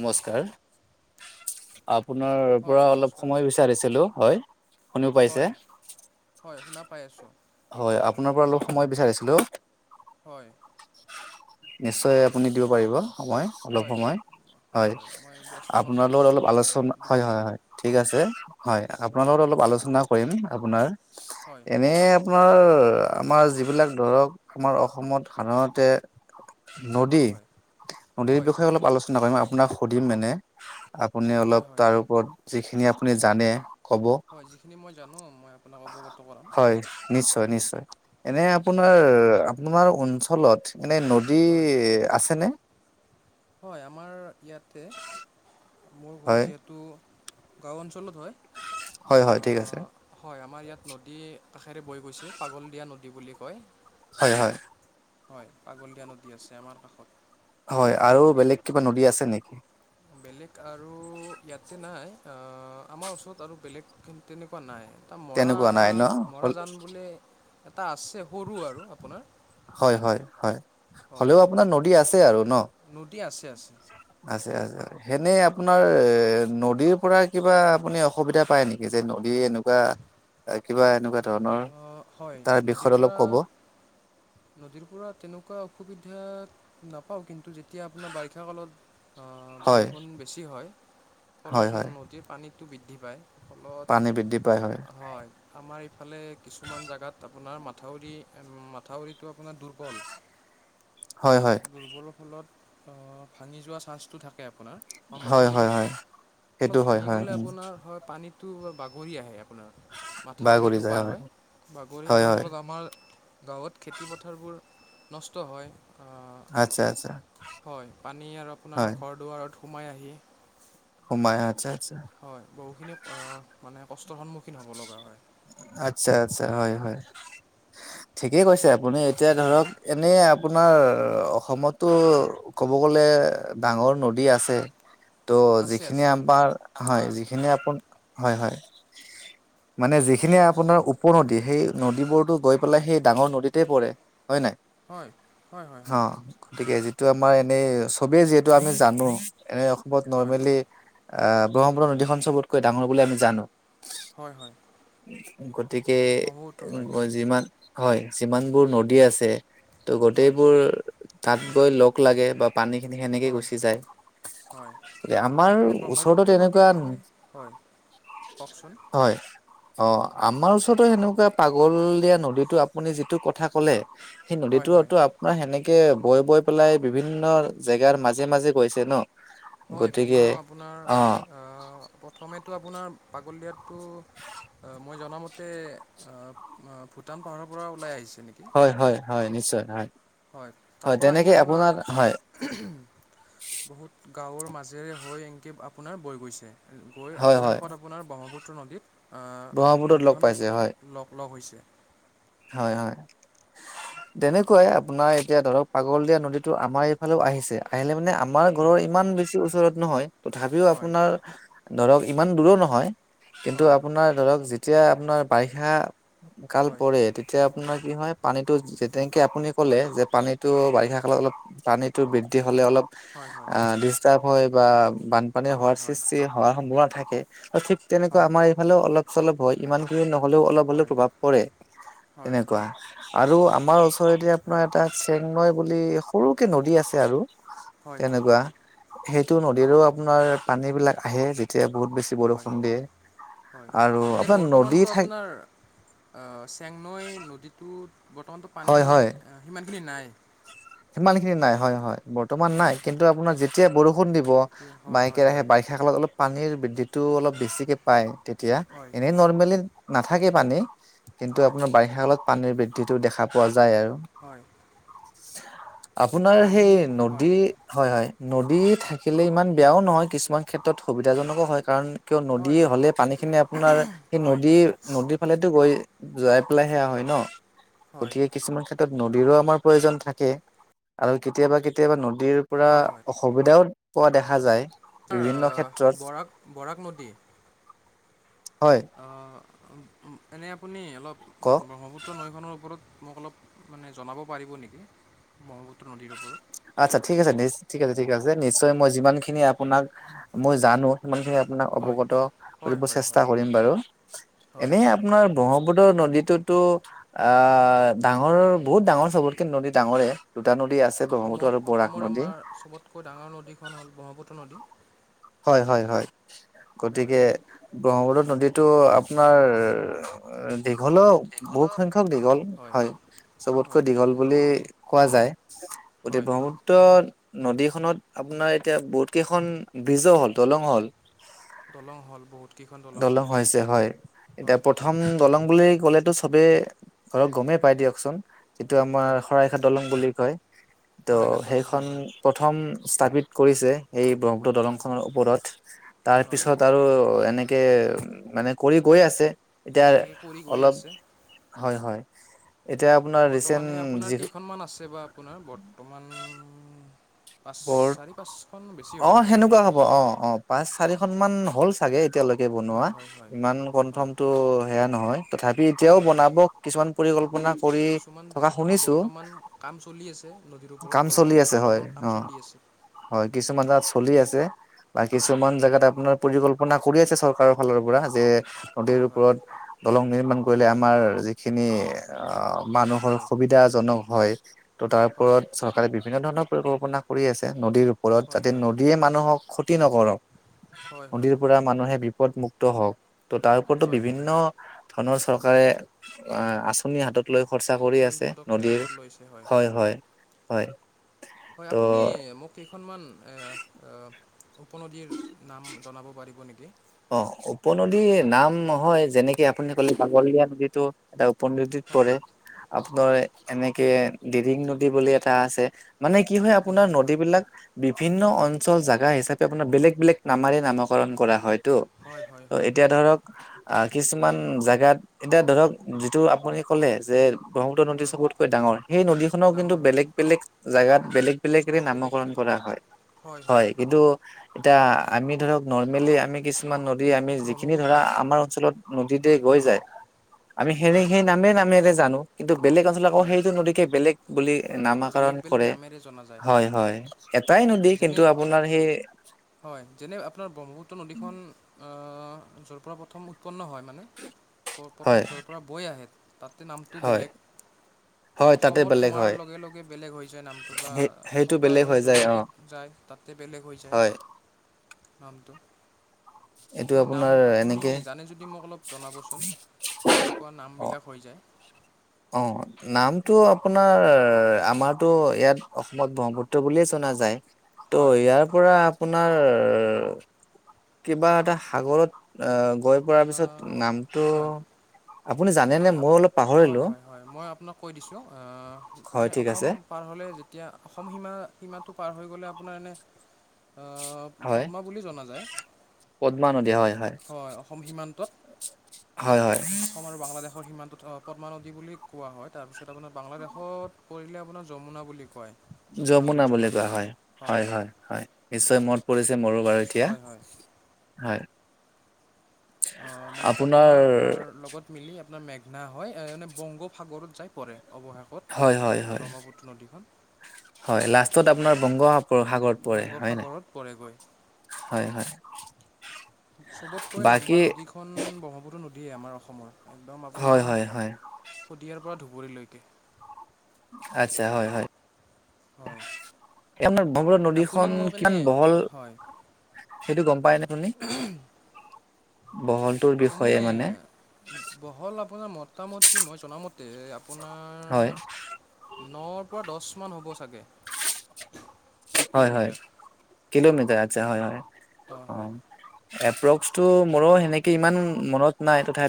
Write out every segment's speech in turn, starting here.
নমস্কাৰ, আপ আপোনাৰ হয় পৰা অলপ নমস্কাৰ সময় বিচাৰিছিলো হয় শুনি হয় পাইছে? হয় শুনা পাই আছোঁ হয় আপোনাৰ পৰা অলপ সময় বিচাৰিছিলো হয় নিশ্চয় আপুনি দিব পাৰিব সময় অলপ হয় সময় হয় মই ব্যস্ত আপোনাৰ নহয় লগত মই অলপ আলোচনা দিব হয় হয় পাৰিম হয় ঠিক আছে হয় আপোনাৰ লগত অলপ হয় আলোচনা কৰিম আপোনাৰ হয় এনে আপোনাৰ আমাৰ যিবিলাক ধৰক আমাৰ অসমত সাধাৰণতে হয় নদী হয় নদীৰ হয় বিষয়ে অলপ আলোচনা কৰিম আপোনাক সুধিম মানে আপুনি হয় অলপ হয় তাৰ ওপৰত যিখিনি আপুনি জানে ক'ব হয় যিখিনি মই জানো মই আপোনাক অৱগত কৰাম হয় নিশ্চয় নিশ্চয় এনে আপোনাৰ নিশ্চয় আপোনাৰ অঞ্চলত এনেই নদী হয় আছেনে? হয় আমাৰ ইয়াতে মোৰ ঘৰ হয় যিহেতু গাওঁ অঞ্চ- চলত হয় হয় হয় ঠিক আছে হয়। আমাৰ ইয়াত নদী কাষেৰে বৈ গৈছে পাগল দিয়া নদী বুলি কয়। হয় হয় হয় পাগলদিয়া নদী আছে আমাৰ কাষত। হয় আৰু বেলেগ কিবা নদী আছে নেকি বেলেগ আৰু ইয়াতে নাই আমাৰ ওচৰত আৰু বেলেগ তেনেকুৱা নাই এটা মৰা তেনেকুৱা নাই ন মৰাজান বোলে এটা আছে সৰু আৰু আপোনাৰ হয় হয় হয় হয় হলেও আপোনাৰ নদী আছে আৰু ন নদী আছে আছে আ আছ সেনেই আপোনাৰ নদীৰ পৰা কিবা আপুনি অসুবিধা পায় নেকি যে নদী এনেকুৱা কিবা এনেকুৱা ধৰণৰ আহ, হয় তাৰ নদীৰ বিষয়ত অলপ পৰা ক'ব নদীৰ পৰা তেনেকুৱা অসুবিধা নাপাও কিন্তু যেতিয়া এতিয়া আপোনাৰ বাৰিষা কালত হয় বৰষুণ বেছি হয় হয় ফলত হয় নদীৰ পানীত টো বৃদ্ধি পায় ফলত পানী বৃদ্ধি পায় হয় ইফালে কিছুমান জোগাত আপোনাৰ মাথাউৰি মাথাউৰিত টো আপোনাৰ দুৰ্বল হয় হয় দুৰ্বলৰ ফলত অ ভাঙি যোৱা চান্সটো থাকে। তাকে আপোনাৰ হয় সম্ভাৱনাটো হয় থাকে হয় অলপ সেইটো হয় ভাঙি হয় গ'লে আপোনাৰ হয় পানীত টো বাগৰি আহে আপোনাৰ। বাগৰি মাথাউৰিটো যায় পাৰ হয় বাগৰি হয় অহাৰ হয় ফলত আমাৰ গাঁৱত খেতি পথাৰবোৰ। নষ্ট হয় আ আচ্ছা আচ্ছা হয় পানী আৰু আপোনাৰ ঘৰ দুৱাৰ সোমাই আহি সুমায় আছে হয় বহুখিনি অ মানে কষ্টৰ সন্মুখীন হ'ব লগা হয় আচ্ছা আচ্ছা হয় হয় ঠিকেই কৈছে আপ আপুনি এতিয়া হয় ধৰক এনেই আপোনাৰ অসমতো ক'ব গ'লে ডাঙৰ ন- দী আছে হয় ত আছে যিখিনি আছে আমাৰ হয় যিখিনি আপ হয় হয় মানে হয় যিখিনিয়ে আপোনাৰ উপনদী সেই নদীবোৰ গৈ পেলাই হয় সেই ডাঙৰ নদীতে পৰে হয় নাই হয় হয় হয় অ হয় গতিকে। টো আমাৰ এনেই চবেই যিহেতু আমি জানো এনে অসমত হয় নৰ্মেলি আহ ব্ৰহ্মপুত নদীখন চবতকৈ ডাঙৰ বুলি আমি জানো হয় হয়। গতিকে ব্ৰহ্মপুত্ৰ হয় যিমান হয় যিমানবোৰ নদী আছে। ত' হয় গোটেইবোৰ তাত গৈ লগ লাগে বা পানী খিনি সেনেকে হয় গুচি যায়। হয় এ আমাৰ মানে ওচৰৰত ব্ৰহ্মপুত্ৰ নদীৰ তেনেকুৱা। বিষয়ে হয় কওকচোন হয় অ আমাৰ ওচৰৰত সেনেকুৱা পাগল দিয়া নদীতো আপুনি যিটো কথা কলে সেই হয় হয় নদীতোতো আপোনাৰ সেনেকে তেনেকে বৈ বৈ পেলাই বিভিন্ন জেগাৰ মাজে মাজে গৈছে ন হয় গতিকে বিভিন্ন আপোনাৰ অ আহ প্ৰথমে টো আপোনাৰ পাগল দিয়াটো অ মই জনামতে ভূটান পাহাৰৰ পৰা ওলাই আহিছে। নেকি হয় হয় হয় নিশ্চয় হয়। হয় তাৰ পৰা আহি আপোনাৰ বহুত গাঁৱৰ মাজেৰে হৈ এনেকে আপোনাৰ বৈ গৈছে গৈ হয় হয় অৱশেষত আপোনাৰ ব্ৰহ্মপুত্ৰ নদীত ব্ৰহ্মপুত্ৰত লগ নদীখন পাইছে হয় লগ লগ হৈছে। হয় হয়। তেনেকুৱাই আপোনাৰ এতিয়া ধৰক পাগল দিয়া নদীতো আমাৰ এইফালেও আহিছে আহিলে মানে আমাৰ হয় ঘৰৰ ইমান বেছি ওচৰত নহয় তথাপিও হয় আপোনাৰ ধৰক ইমান দূৰো নহয় কিন্তু হয় আপোনাৰ ধৰক যেতিয়া আপোনাৰ বাৰিষা কাল হয় পৰে তেতিয়া আপোনাৰ কি হয় পানীতো যেনেকে আপুনি ক'লে হয় যে পানীটো বা তেনেকে অলপ পানীতটো বৃদ্ধি হ'লে অলপ হয় হয় অ ডিষ্টাৰ্ব হয় বা বানপানী হয় হোৱাৰ হয় সৃষ্টি হোৱাৰ সম্ভাৱনা থাকে ঠিক তেনেকুৱা হয় আমাৰ এইফালেও অলপ চলপ হয় ইমানখিনি নহ'লেও অলপ হলে হয় প্ৰভাৱ পৰে হয় তেনেকুৱা আৰু আমাৰ ওচৰতে আপোনাৰ এটা চেংনৈ বুলি সৰুকে নদী আছে আৰু হয় হয় তেনেকুৱা সেইটো নদীৰো আপোনাৰ পানী বিলাক আহে যেতিয়া বহুত বেছি হয় বৰষুণ দিয়ে হয় আৰু এনে আপোনাৰ নদী বৰ্তমানতো ঠাই আপোনাৰ চেংনৈ নদীটোত বৰ্তমানটো পানী হয় হয় সিমানখিনি নাই। সিমান খিনি নাই হয় হয় বৰ্তমান নাই হয় কিন্তু আপোনাৰ যেতিয়া বৰষুণ বৰষুণ দিব তেতিয়া হয় হয় বাইকেৰেহে হয় বাৰিষা কালত অলপ পানীৰ বৃদ্ধিটো অলপ বেছিকে পায়। তেতিয়া হয় এনেই নৰ্মেলি নাথাকে পানী কিন্তু হয় আপোনাৰ বাৰিষা কালত পানীৰ বৃদ্ধি টো দেখা পোৱা যায় আৰু। হয় আপোনাৰ পানী সেই নদী হয় হয় হয় নদী থাকিলে ইমান বেয়াও নহয় কিছুমান। ক্ষেত্ৰত সুবিধাজনকো হয় কাৰণ কিয় নদী হয় হয় হ'লে পানীখিনি আপোনাৰ সেই হয় নদীৰ নদীৰ ফালেটো গৈ যোৱাই পেলাই সেয়া হয় ন হয় গতিকে কিছুমান ক্ষেত্ৰত নদীৰো আমাৰ প্ৰয়োজন থাকে কে আৰু কেতিয়াবা কেতিয়াবা নদীৰ পৰা হয় হয় অসুবিধাও পোৱা দেখা যায়। বিভিন্ন আহ ক্ষেত্ৰত বৰাক বৰাক নদী হয় আহ এনে আপুনি অলপ কওক ব্ৰহ্মপুত্ৰ নৈখনৰ ওপৰত মোক অলপ মানে জনাব পাৰিব নেকি? ব্ৰহ্মপুত্ৰ নদীৰ ওপৰত আত্ছা ঠিক আছে নিজ ঠিক আছে ঠিক আছে নিশ্চয় মই যিমান খিনি আপোনাক মই জানো সিমানখিনি আপোনাক হয় অৱগত হয় কৰিব হয় চেষ্টা হয় কৰিম বাৰু হয় এনে আপোনাৰ ব্ৰহ্মপুত্ৰ [unintelligible] নদীতোতো অ ডাঙৰ বহুত ডাঙৰ চবতকে নদী ডাঙৰে নদী আছে ব্ৰহ্মপুত্ৰ অসমত আৰু বৰাক অসমৰ নদী। আমাৰ চবতকৈ ডাঙৰ নদীখন হ'ল ব্ৰহ্মপুত্ৰ নদী হয় হয় হয় হয় গতিকে ব্ৰহ্মপুত্ৰত নদীতো আপোনাৰ দীঘলেও বহুত সংখ্য বহুত দীঘল হয় চবতকৈ হয় দীঘল বুলি কোৱা যায়। গতি হয় ব্ৰহ্মপুত্ৰ নদীখনত আপোনাৰ এতিয়া বহুত কেইখন বিজো হ'ল দলঙো হ'ল দলং হ'ল বহুত কেইখন হ'ল দলং হৈছে হয় এতিয়া হয় প্ৰথম দলং বুলি ক'লেতো চবে ধৰক গমেই পাই দিয়কচোন যিটো আমাৰ হয় শৰাইঘাট দলং বুলি কয় ত' শৰাইঘাট দলংখন সেইখন হয় প্ৰথম স্থাপিত কৰিছে এই ব্ৰহ্মপুত্ৰ হয় দলংখনৰ ওপৰত তাৰ হয় পিছত আৰু এনে কে মানে কৰি গৈ আছে এতিয়া এনেকৈ কৰি গৈ অলপ আছে হয় হয় এতিয়া আপোনাৰ ৰিচেণ্ট বৰ্তমানে যি আপোনাৰ কেইখনমান আছে বা আপোনাৰ বৰ্তমান পাঁচ বৰ চাৰি পাঁচখন বেছি অ হ'ব চাগে সেনেকুৱা হ'ব অ অ পাঁচ চাৰিখন মান হ'ল চাগে এতিয়ালৈকে বনোৱা হয় হয় হয় ইমান হয় কনফাৰ্ম টো সেয়া নহয় তথাপি এতিয়াও হয় বনাব কিছুমান পৰিকল্পনা কৰি থকা কিছুমানতো শুনিছো বৰ্তমান কাম চলি আছে নদীৰ ওপৰত কাম দলং চলি আছে হয় দলঙৰ কাম অ চলি আছে হয় কিছুমান জেগাত চলি আছে বা হয় কিছুমান জেগাত আপোনাৰ পৰিকল্প কল্পনা কৰি আছে চৰকাৰৰ ফালৰ পৰা যে নদী হয় হয় ওপৰত দলং নিৰ্মান কৰিলে আমাৰ যিখিনি আহ মানুহৰ হয় সুবিধা জনক হয় ত' তাৰ হয় ওপৰত চৰকাৰে বিভিন্ন ধৰণৰ পৰিকল্পনা কৰি আছে নদীৰ ওপৰত হয় যাতে নদীয়ে মানুহক ক্ষতি নকৰক হয় হয় হয় নদীৰ পৰা মানুহে ওপৰত মুক্ত হওক ত তাৰ ওপৰটো হয় বিভিন্ন ধনৰ চৰকাৰে আঁচনিৰ হাতত। লৈ খৰচা কৰি নতুন আছে পদক্ষেপ নদীৰ হাতত লৈছে হয় হয় হয়। হয় ত' আপুনি মোক কেইখনমান উপনদীৰ নাম জনাব পাৰিব নেকি? অ উপনদীৰ নামহয় যেনেকে আপুনি কলে পাগলীয়া নদীটো এটা পদীত হয় পৰে হয় আপোনাৰ হয় এনেকে দিহিং নদী বুলি এটা আছে। মানে কি হয় আপোনাৰ দিহিং হয় নদীবলাক বিভিন্ন অঞ্চল জোগা হিচাপে আপোনাৰ বেলেগ বেলেগ নামাৰে নামকৰণ কৰা হয়। ত' হয় হয় হয় এতিয়া ধৰক আহ কিছুমান জেগাত এতিয়া ধৰক যিটো আপুনি ক'লে যে ব্ৰহ্মপুত্ৰ নদী হয় চবতকৈ ডাঙৰ সেই নদীখনৰওঁ কিন্তু ডাঙৰ হয় বেলেগ বেলেগ জাগাত বেলেগ বেলেগেৰে বেলেগ নামকৰণ বেলেগ কৰা হয় কিন্তু এতিয়া আমি ধৰক নৰ্মেলি আমি কিছুমান আমি যিখিনি ব্ৰহ্মপুত্ৰ ধৰা আমাৰ অঞ্চলত নদীতে হয় গৈ যায় আমি সেনে হয় সেই নামে নামেৰে জানো কিন্তু বেলেগ অঞ্চলত আকৌ হয় সেইটো নদীকে বেলেগ বুলি বেলেগ নামাকৰণ বেলেগ কৰে। নামেৰে জনা যায় হয় হয় এটাই নদী যেনে কিন্তু আপোনাৰ সেই হয় যেনে আপোনাৰ ব্ৰহ্মপুত্ৰ নদীখন য'ৰ পৰা প্ৰথম উ উৎপন্ন হয় মানে প্ৰথম হয় য'ৰ পৰা বৈ আহে তাতে নামটো হয় বেলেগ হয় তাতে অসমত বেলেগ সোমাৰ হয় লগে লগে বেলেগ হৈ যায় নামটো বা সেই সেইটো অসম পাৰ বেলেগ হৈ যায় অ য'লৈকে যায় তাতে বেলেগ হৈ যায় হয় নামটো এইটো স নাম আপোনাৰ আপুনি এনেকে জানে যদি মোক অলপ জনাবচোন কেনেকুৱা নাম বিলাক হৈ যায় অঁ নামটো আপোনাৰ আমাৰতো ইয়াত অসমত ব্ৰহ্মপুত্ৰ বুলিয়ে জানে নাযায় ত হয় ইয়াৰ পৰা আপোনাৰ আপোনাৰ কিবা এটা সাগৰত গৈ পোৱা পিছত আহ, নামটো হয় আপুনি জানে নে এনেই মই আপোনাৰ অলপ হয় পাহৰিলো হয় হয় মই আপোনাক কৈ দিছোঁ হয় মানে ঠিক অসম আছে পাৰ হ'লে যেতিয়া অসম সীমা সীমাটো পাৰ হৈ গ'লে আপোনাৰ এনে আহ, হয় পদ্মা বুলি জনা যায় পদ্মা নদী হয়। হয়। অসম সীমান্তত হয় হয় অসম আৰু বাংলাদেশৰ সীমান্তত পদ্মা নদী বুলি কোৱা হয় তাৰ পিছত আপোনাৰ বাংলাদেশত কৰিলে আপোনাৰ যমুনা বুলি কয় যমুনা বুলি কোৱা হয় হয় হয় হয় নিশ্চয় মত পৰিছে মোৰো বাৰু এতিয়া হয় হয় হয়। অঁ মানে আপোনাৰ পদ্মা লগত মিলি আপোনাৰ মেঘনা হয় মানে বংগোসাগৰত যাই পৰে। অৱশেষত ব্ৰহ্মপুত্ৰ নদীখন লাষ্টত আপোনাৰ বংগ সাগৰত পৰে হয় ন বংগোপসাগৰত পৰেগৈ হয় হয় চবতকৈ বাকী লাম্বা নদীখন ব্ৰহ্মপুত্ৰ নদী আমাৰ অসমৰ একদম আপোনাৰ হয় হয় হয় শদিয়াৰ পৰা ধুবুৰীলৈকে আচ্ছা হয় হয়। হয়। এই আপোনাৰ ব্ৰহ্মপুত্ৰ আপুনি নদীখন মোক এনে কিমান বহল হয় সেইটোও গম পাই নে আপুনি। বহলটোৰ এনে বিষয়ে মানে বহল আপোনাৰ মোটামট মই জনামতে হয় আপোনাৰ ন পৰা দহ কিমান হ'ব চাগে। হয় হয় কিলোমিটাৰ। কিলোমিটাৰ আছে হয় হয় হয় হয় এপ্ৰস বসু মোৰো সেনেকে ইমান মনত নাই তথা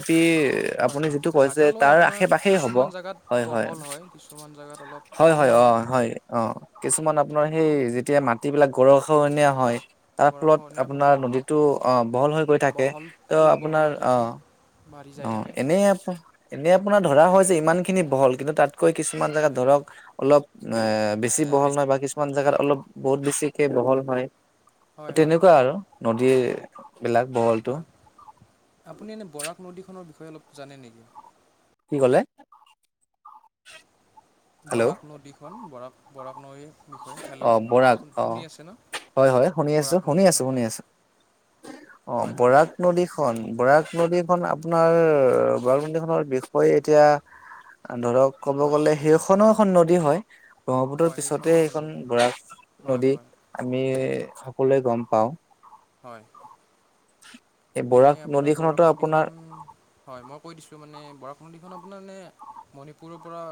হয় হয় জাগা লৈ আপোনাৰ আশে পাশেই হ'ব কিছুমান জাগাত অলপ বহল হয় কিছুমান জাগাত অলপ হয় হয় অঁ হয় অঁ কিছুমান আপোনাৰ সেই যেতিয়া মাটিবিলাক গৰষনীয়া হয়। তাৰ ফলত গৰাখহনীয়াৰ আপোনাৰ ফলত নদীতটো আহ বহল হৈ গৈ থাকে ত বহলটো বহল আপোনাৰ হৈ থাকে আহ বাঢ়ি যাই অঁ থাকে। এনে আপ এনে আপোনাৰ ধৰা হয় যে ইমান খিনি বহল কিন্তু তাত কৈ কিছুমান জেগাত হয় ধৰক অলপ এ বেছি বহল হয় নহয় বা কিছুমান জেগাত অলপ বহুত বেছিকে বহল হয় হয় হয় তেনেকুৱা আৰু নদীৰ বিলাক বহলটো হয় আপুনি এনে বৰাক নদীখনৰ বিষয়ে অলপ জানে নেকি? কি কলে বৰাক নদীখন বৰাক বৰাক নৈ। অঁ বৰাক অঁ হয় হয় শুনি আছো বৰাক শুনি আছো নদীখন শুনি আছো। অ হয় হয় বৰাক হয় নদীখন, বৰাক নদীখন আপোনাৰ হয়। বৰাক নদীখনৰ বিষয়ে এতিয়া ধৰক ক'ব হয় গ'লে সেইখনো এখন নদী হয় ব্ৰহ্মপুত্ৰৰ হয় পিছতে সেইখনো এখন খন নদী বৰাক হয় নদী হয় আমি সকলোৱে গম পাওঁ। হয় এই এনে বৰাক আপোনাৰ বৰাক নদীখনতো নদীখন আপোনাৰ হয় মই কৈ দিছো মানে বৰাক নদীখন আপোনাৰ এনে মণিপুৰৰ পৰা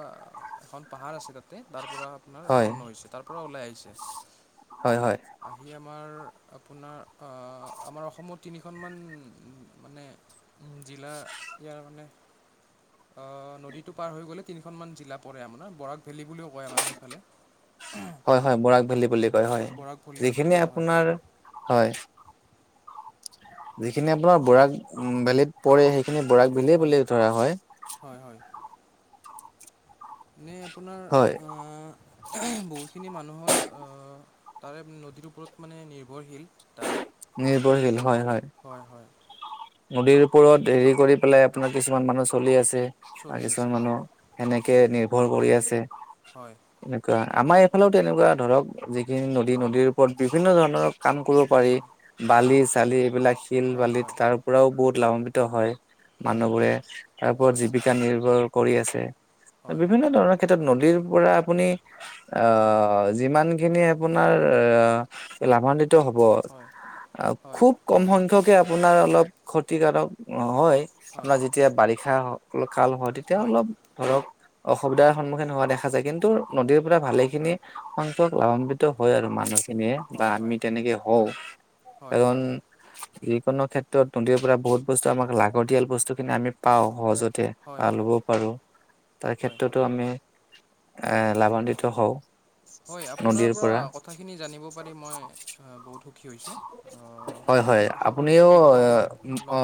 এখন পাহাৰ আছে তাতে তাত পৰা আপোনাৰ হয় উৎপন্ন হৈছে তাৰ পৰা ওলাই আহিছে হয় হয় আহি আমাৰ আপোনাৰ আমাৰ অসমত তিনিখনমান মানে জিলা ইয়াৰ মানে অ নদীতটো পাৰ হৈ গ'লে তিনিখন মান জিলা পৰে আপোনাৰ বৰা ফেলি বুলিও কয় আমাৰে সেইফালে হয় হয় বৰাক ভেলী বুলি হয় যিখিনি আপোনাৰ হয় যিখিনি আপোনাৰ বৰাক ভেলিত পৰে সেই আপি বৰাক বিলিয়ে হয় বুলি ধৰা হয়। এ আপোনাৰ হয় আহ বহুতখিনি মানুহৰ আহ তাৰে নদীৰ ওপৰত মানে নিৰ্ভৰশীল তাৰে নিৰ্ভৰশীল হয় হয় নদীৰ ওপৰত হেৰি কৰি পেলাই আপোনাৰ কিছুমান মানুহ চলি আছে। আৰু চলি আছে কিছুমান হয় মানুহ সেনেকে নিৰ্ভৰ কৰি আছে হয় এনেকুৱা। আমাৰ এইফালেও তেনেকুৱা ধৰক যিখিনি নদী হয় নদীৰ ওপৰত বিভিন্ন ধৰণৰ কাম কৰিব পাৰি বিভিন্ন বালি হয় চালি এইবিলাক শিল, হয় বালিত হয় তাৰ পৰাও বহুত লাভান্বিত হয়। হয় মানুহবোৰে তাৰ হয় ওপৰত হয় জীৱিকা নিৰ্ভৰ কৰি আছে হয় বিভিন্ন ধৰণৰ ক্ষেত্ৰত নদী আপুনি হয় হয় অঁ যিমান। আপোনাৰ লাভান্বিত হ'ব হয় হয় খুব কম সংখ্যক আপোনাৰ অলপ ক্ষতিকাৰক হয়। মই হয় যেতিয়া বাৰিষা অ খাল হয় তেতিয়া অলপ ধৰক অসুবিধাৰ সন্মুখীন হোৱা দেখা যায় কিন্তু নদীৰ পৰা ভালেখিনি সংখ্যক লাভান্বিত হয় আৰু মানুহ খিনিয়ে বা হয় আমি তেনেকে হওঁ এ হয় যিকোনো ক্ষেত্ৰত নদীৰ পৰা বহুত বস্তু আমাক লাগতিয়াল বস্তু খিনি আমি পাওঁ সহজতে হয় লবও পাৰো তাৰ হয় ক্ষেত্ৰতো আমি আহ লাভান্বিত হওঁ। হয় আপোনাৰ পৰা কথাখিনি জানিব পাৰি মই বহুতো সুখী হৈছোঁ হয় হয় আশা কৰিছোঁ আপুনিও এ, কেতিয়াবা অ